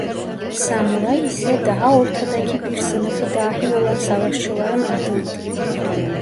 Samuray ise daha ortadaki bir sınıfa dahil olan savaşçıların adıydı.